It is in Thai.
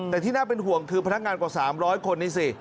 แต่ที่น่าเป็นห่วงคือพนักงานกว่า๓๐๐คนนี่สิ